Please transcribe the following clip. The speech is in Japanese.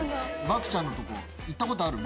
ばくちゃんのとこ行ったことある？